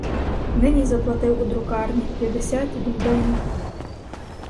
Нині заплатив у друкарні п'ятдесят гульденів.